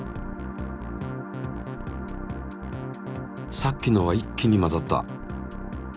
さっきのは一気に混ざった。